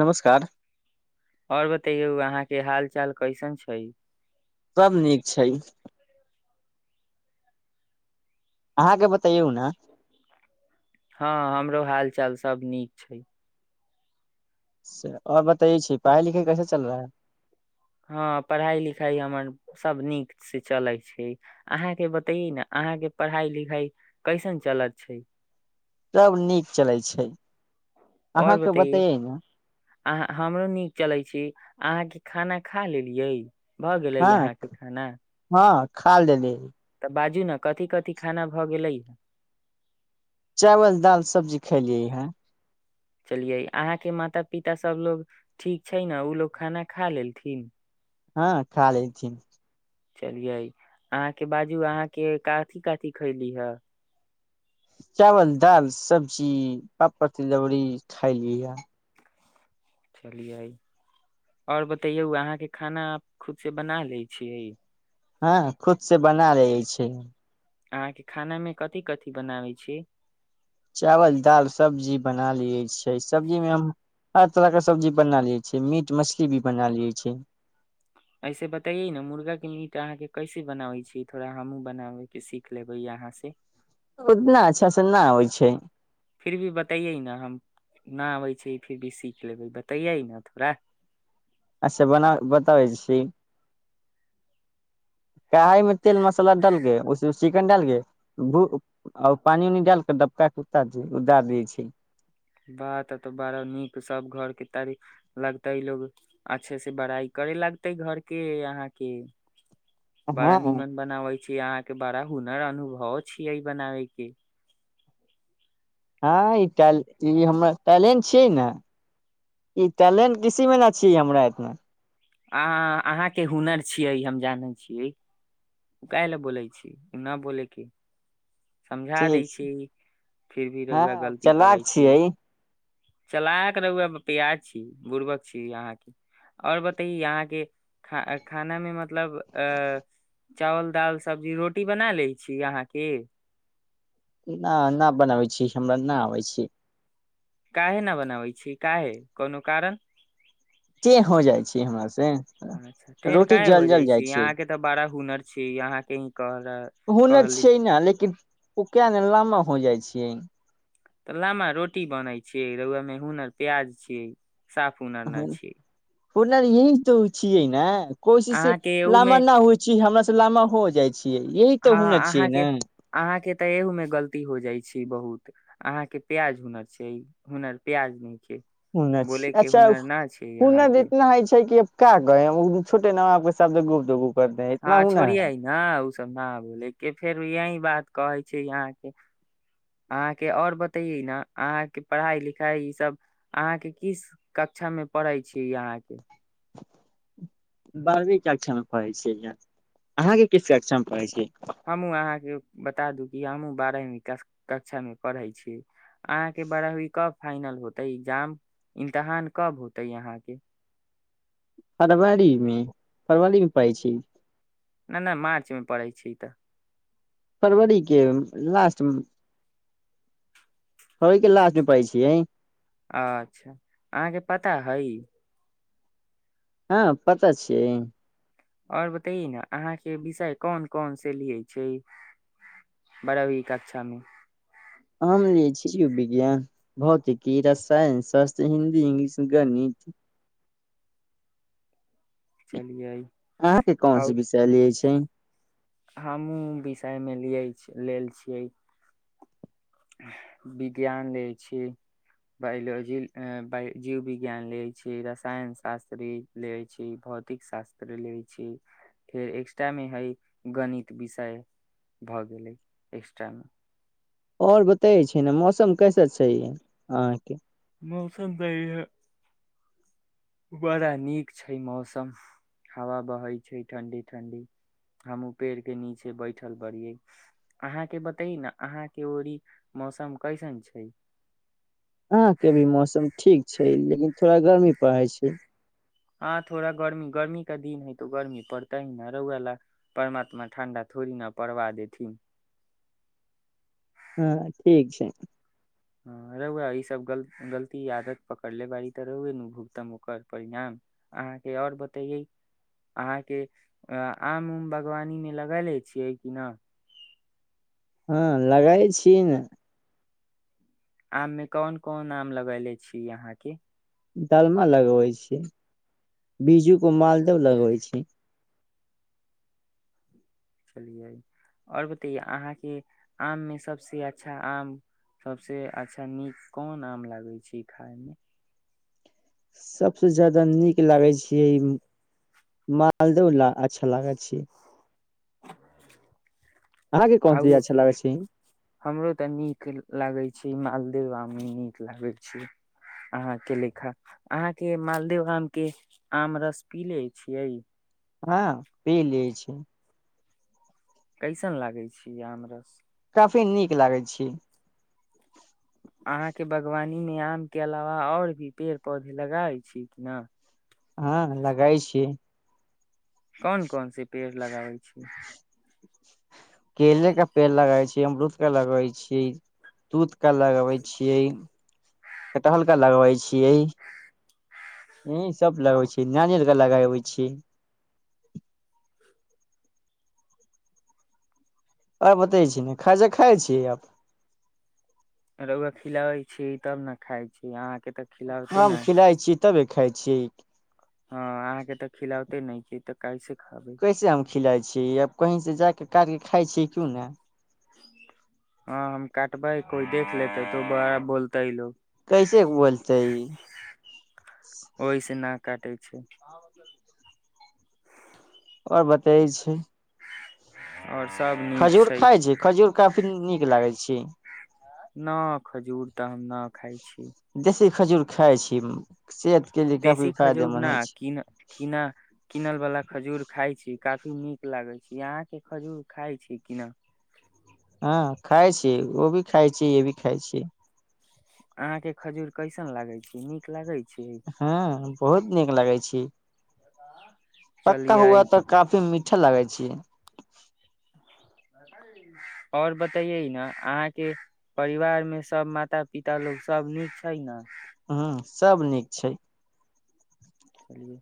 नमस्कार आओर बतैयौ अहाँके हाल चाल कैसन छै सभ नीक छै अहाँके बतैयौ ने हँ हमरो हाल चाल सभ नीक छै से आओर बतै छी पढ़ाई लिखाइ कैसे चल रहा है हँ पढ़ाई लिखाइ हमर सभ नीक से चलै छै अहाँके बतैै ने अहाँके पढ़ाइ लिखाइ कैसन चलत छै त नीक चलै छै आओर अहाँके बतय बतैयै ने अह हमरो नीक चलै छी अहाँके खाना खा लेलियै भऽ गेलै हँ यहाँके खाना हँ खा लेली तऽ बाजू न कथि कथि खाना भऽ गेलै चावल दाल सब्जी खेलियै हे चलियै अहाँके माता पिता सभलोग ठीक छै ने ओ लोग खाना खा लेलथिन हँ खा लेलथिन चलियै अहाँके बाजू अहाँके कथी कथी खयली हे चावल दाल सब्जी पापड़ तिलौरी खायलि हन चलियै आओर बतैयौ अहाँके खाना खुदसँ बना लै छियै हँ खुद से बनालै छियै अहाँके खानामे कथि कथि बनाबै छी चावल दाल सब्जी बना लियै छियै सब्जीमे हम हर तरहके सब्जी बना लियै छियै मीट मछली भी बना लै छियै ऐसे बताइये ने मुर्गाके मीट अहाँके कैसे बनाबै छियै थोड़ा हमहूँ बनाबैके सीख लेबै अहाँ से ओना अच्छासे न आबै छै फिर भी बतैयै ने हम ना आबै छी फिर भी सीख लेबै बतैयै ने थोड़ा अच्छा बना बताबै छी कढ़ाई में तेल मसाला डालके उस उस चिकन डालके पानि उनी डालके डबका के उतार दै छियै बात तऽ बड़ा नीक सब घरके तऽ लगतै लोग अच्छे से बड़ाइ करे लगतै घरके अहाँके हँ बड़ा निमन बनाबै छियै अहाँके बड़ा हुनर अनुभव छियै बनाबै के ह ई हम टैलेंट छियै ने ई टलेंट किसी मे ना छियै हमरा एतना अ अहाँके हुनर छियै हम जानै छियै काह लए बोलै छियै नहि बोलैके समझा दै ठीक छै छी फिर भी हँ रौआ गलती करै चलाक छी छियै चलाक रहुआ प्याज छी बुर्बक छी अहाँके आओर बताइ अहाँके खाना खानामे मतलब अ चावल दाल सब्जी रोटी बनालै छी अहाँके न न बनाबै छी हमरा न आबै छै काहे न बनाबै छी काहे कोनो कारण जे हो जाइ छै हमरा सब अच्छा तेढ़ काहे हो जाइ छै अहाँके तऽ बड़ा हुनर छी अहाँके ही कह कह ओकिया न नमे हो जाइ छियै तऽ लामा रोटी बनैत छियै रौआ मे हुनर प्याज छियै साफ हुनर ना छै हुनर ई हे तऽ छियै ने कोशी से अहाँके एहू मे लामा ना होइ छी हमरा सलामा हो जाइ छै हँ अहाँके अहाँके तऽ एहू मे गलती हो जाइत छै बहुत अहा के प्याज हुनर छै हुनर प्याज न हुनर छी बोले के अच्छा हुनर छै हुनर अहाँके इतना होइ छै कि का कहे छोटे न सब गुप द गू हँ इतना हुनर छोड़ियै है न उ सब नब के फेर यही बात कहे छै अहाँ के अहाँके आऔर बतेयै ने अहाँ के पढ़ाई लिखाई ई सब अहाँ के किस कक्षा मे पढ़ै छी अहाँ के बारवीं कक्षा मे पढ़ै छियै इहाँ अहाँके किस कक्षा मे पढ़ै छियै हमहूँ अहाँके बता दू कि हमहूँ बारहवीं कक्षामे पढ़ै छी अहाँके बारहवी कब फाइनल होतै एग्जाम इम्तहान कब होतै अहाँके फरवरी मे फरवरीमे पड़ै छै नहि नहि मार्चमे पड़ै छै तऽ फरवरी के लास्ट मे ओहिके लास्टमे पड़ै छियै अच्छा अहाँके पता हइ हँ पता छियै आओर बतैए ने अहाँके विषय कोन कोन से लियै छै बारहवीं कक्षामे हम लिये छी विज्ञान भौतिकी रसायन शास्त्र हिन्दी इंग्लिश गणित चलियै अहाँके आओर कोनसे विषय लियै छियै हमहुँ विषयमे लिय लेल छियै विज्ञान लै छी बायोलॉजी बाय जीव विज्ञान लै छी रसायन शास्त्र लै छी भौतिक शास्त्र लै छी फेर एक्स्ट्रामे हइ गणित विषय भऽ गेलै एक्स्ट्रामे आओर बतैयै छी ने मौसम कैसे छै अहाँके मौसम तऽ इहे बड़ा नीक छै मौसम हवा बहै छै ठण्ढी ठण्ढी हमहूँ पेड़के नीचे बैठल बरियै अहाँके बतयै न अहाँके ओड़ी मौसम कैसन छै अहाँके भी मौसम ठीक छै लेकिन थोड़ा गर्मी पड़इ छै हँ थोड़ा गर्मी गर्मी का दिन है तऽ गर्मी पड़तै न रौआ ला परमात्मा ठंडा थोड़ी न पड़वा देथिन हँ ठीक छै रौआ ई सभ गल गलती आदत पकड़ले बाड़ी तऽ रौए ने भुगतम ओकर परिणाम अहाँके आओर बतैयै अहाँके आम उम बागवानीमे लगैले छियै कि नहि हँ लगैले छियै न आममे कोन कोन आम लगैले छी अहाँके डालमा लगबै छी बीज्जू के मालदव लगबै छी चलियै आओर बतैयै अहाँके आममे सभसँ अच्छा आम सभसँ अच्छा नीक कोन आम लागै छै खायमे सभसँ जादा नीक लागै छियै ई मालदेव ल अच्छा लागै छै अहाँके कोन आरो चीज अच्छा लागे छै हमरो तऽ नीक लागै छै मालदेव आम नीक लागै छै अहाँके लेखा अहाँके मालदेव आम के आम रस पीले छियै हँ पी लेय छियै कैसन लागै छी आमरस काफी नीक लागै छियै उमे आम के अलावा आओर भी पेड़ पौधे लगाबै छी कि ने हँ लगाय छियै कौन कौनसे पेड़ लगाबै छियै केले का पेड़ लगबै छियै अमरूद का लगबै छियै तूत का लगबै छियै कटहल का लगबै छियै इं सब लगाबै छी नारियल कें लगाबै छिय आओर बतबै छी ने खाजा खाइ छियै आब खिलाबै छियै तब ने खाइ छियै अहाँ के तऽ खिलाबते हम न खिलाइ छियै तबे खाइ छियै हँ अहाँके तऽ खिलाउ नहि तऽ कैसे खाबै कैसे हम खिलाए छी आब कहीं से जा क कारके खााय छी क्यू ने हँ हम काटबै कोइ देख लेतै तो बड़ा बोलता ह लोग कैसे बोलतेै का करै छै आओर बतैय छै और सब नीक खजूर खााय छै खजूर काफी नीक की लागै छी न खजूर त न खाइ छी खजूुर खाइ छी सेहत के लिए काफी देशी खजूर फायदेमंद न होइ छै किन किनल वाला खजूर खााय छी काफी नीक लागै छै यहाँके खजूर खाइ छी किना हँ खाइ छीय एगो ओ भी खाइ छी य भी खाइ छी अहां के खजूर कैसन लागे छै नीक लागे छै हँ बहुत नीक लागै छी पक्का हुआ चलिये तऽ काफी मीठा लागै छै ओर बतैे ने अहाँके परिवार मे सब माता पिता लोग सब नीक छै ने ह सब नीक छै चलियए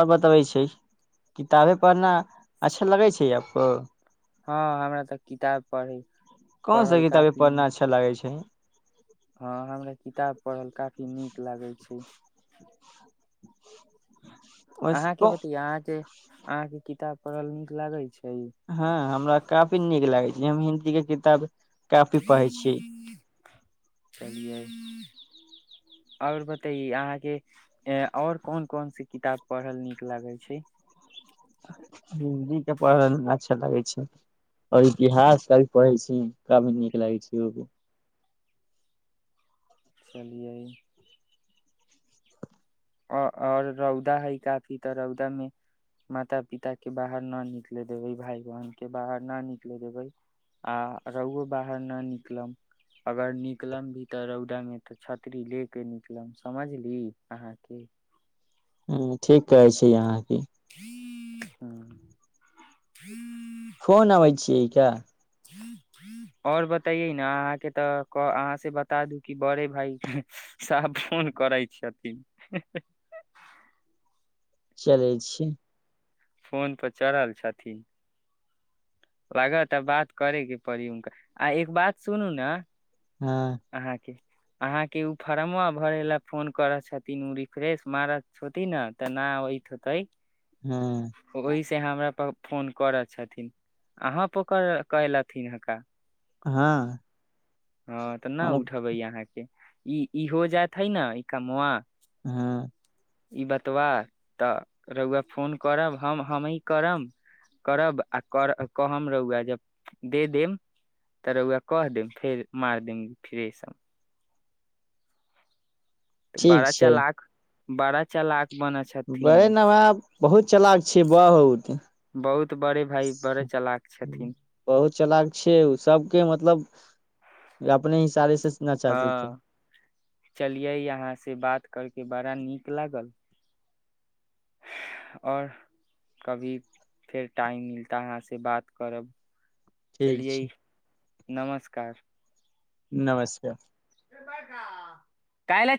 आओर बतबै छै किताबे पढ़ना अच्छा लगै छै आपको हँ हमरा तऽ किताब पढ़ै कोन स किताबे पढ़ना अच्छा लागे छै हँ हमरा किताब पढ़ल काफी नीक लागैत छै अहाँके बतैयए अहाँ जे अहाँके किताब पड़ल नीक लागै छै हँ हमरा काफी नीक लागैत छै हम हि कि किताब कापी पढ़ै छियै चलियै आओर बतैै अहाँके आओर कोन कोनसँ किताब पढ़ल नीक लागै छै हिन्दीके पढ़मे अच्छा लागै छै आओर इतिहास क भी पढ़ै छी काभी नीक लगै छै ओ चलियै आओर रौदा हइ काफी तऽ रौदामे माता पिताके बाहर न निकले देबै भाय बहिनके बाहर न निकले देबै आ रहुओ बाहर नहि निकलम अगर निकलम भी तऽ रौदामे तऽ छतरी ले कऽ निकलम समझली अहाँके क ह ठीक कहै छी अहाँ [unintelligible] जा आओर बतइयै ने अहाँके तऽ अहाँ से बता दू कि बड़े भाई साहब फोन करै छथिन चलै छी फोनपर चढ़ल छथिन लागता बात करयके पड़ी हुनका आ एक बात सुनू ने हँ अहाँके अहाँके उ फार्मो भरे ल फोन करऽ छथिन ओ रिफ्रेश मारत हेथिन न तऽ न होत हेतै हँ ओहि से हमरा पर फोन करै छथिन अहाँ पर कलथिन हनका हँ हँ तऽ न उठेबै अहाँके ई ई हो जात हइ न ई कमवा हँ ई बतबा तऽ रौआ फोन करब हम हमहीँ करब करब आ कर कहम रौआ जब दे देम तऽ रौआ कह देब फेर मार देम फिरे सम ठीक बड़ा छै चलाक बारा बड़े नवाब बहुत चलाक छै बहुत बहुत बड़े भाय बड़े चलाक छथिन बहुत चलाक छै ओ सबके मतलब अपने हिसाबे से नचा देतै चलियै अहाँ से बात करके बड़ा नीक लागल आओर कभी फेर टाइम मिलता अहाँसँ बात करब ठीक चलियै छै नमस्कार नमस्कार रे बड़का काल्हे